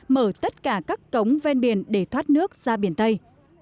mở tất cả các cống ven biển để thoát nước ra biển tây